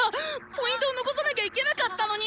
Ｐを残さなきゃいけなかったのに！